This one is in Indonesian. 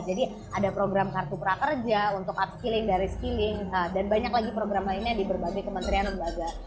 jadi ada program kartu prakerja untuk upskilling dari skilling dan banyak lagi program lainnya di berbagai kementerian dan baga